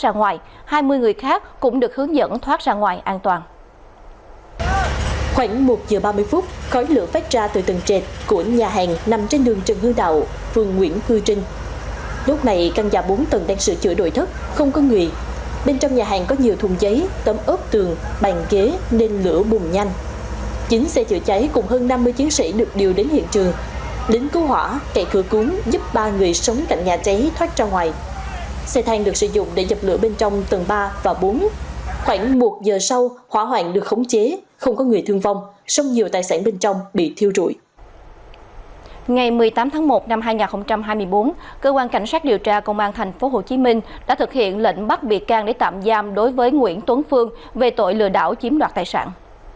ngày một mươi tám tháng một năm hai nghìn hai mươi bốn cơ quan cảnh sát điều tra công an thành phố hồ chí minh đã thực hiện lệnh bắt bị can để tạm giam đối với nguyễn tuấn phương về tội lừa đảo chiếm đoạt tài sản